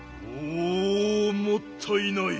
おおもったいない。